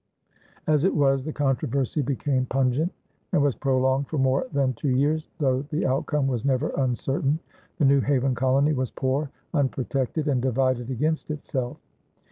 As it was, the controversy became pungent and was prolonged for more than two years, though the outcome was never uncertain. The New Haven colony was poor, unprotected, and divided against itself.